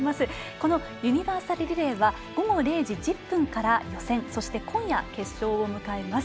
このユニバーサルリレーは午後０時１０分から予選そして今夜、決勝を迎えます。